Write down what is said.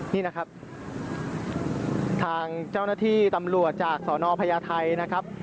นี่นะครับทางเจ้าหน้าที่ตำรวจจากสนพญาไทยนะครับ